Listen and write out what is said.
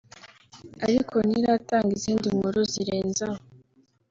ariko ntiratanga izindi nkuru zirenze aho